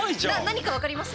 何か分かります？